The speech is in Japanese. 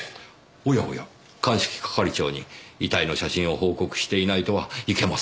おやおや鑑識係長に遺体の写真を報告していないとはいけませんねぇ。